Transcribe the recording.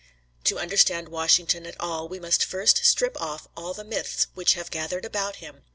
To understand Washington at all we must first strip off all the myths which have gathered about him.